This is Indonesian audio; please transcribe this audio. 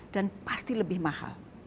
dan pasti lebih mahal